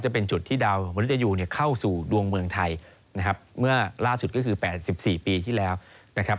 จะเป็นจุดที่ดาวมริตยูเนี่ยเข้าสู่ดวงเมืองไทยนะครับเมื่อล่าสุดก็คือ๘๔ปีที่แล้วนะครับ